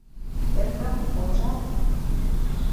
— Эргым, помыжалт!